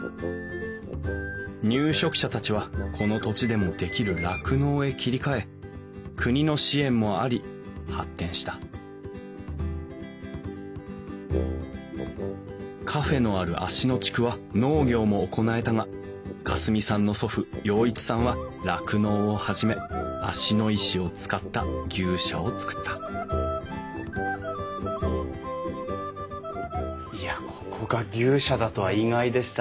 入植者たちはこの土地でもできる酪農へ切り替え国の支援もあり発展したカフェのある芦野地区は農業も行えたが夏澄さんの祖父洋一さんは酪農を始め芦野石を使った牛舎を造ったいやここが牛舎だとは意外でした。